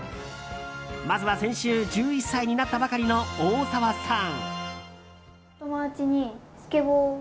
まずは先週１１歳になったばかりの大沢さん。